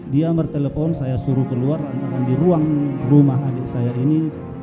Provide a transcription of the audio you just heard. dia bertelepon saya suruh keluar di ruang rumah adik saya ini